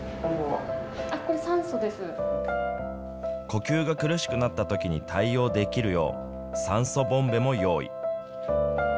呼吸が苦しくなったときに対応できるよう、酸素ボンベも用意。